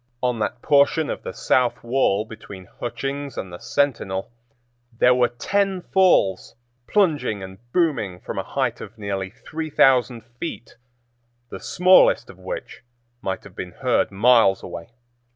On that portion of the south wall between Hutchings' and the Sentinel there were ten falls plunging and booming from a height of nearly three thousand feet, the smallest of which might have been heard miles away.